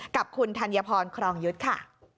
กับคุณธัญพรครองยุทธ์ค่ะ